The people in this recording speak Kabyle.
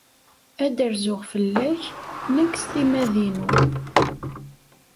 Ad d-rzuɣ fell-ak nekk s timmad-inu.